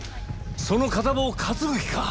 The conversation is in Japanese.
その片棒を担ぐ気か？